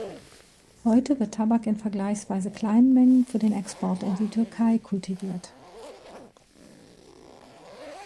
Heute wird Tabak in vergleichsweise kleinen Mengen für den Export in die Türkei kultiviert.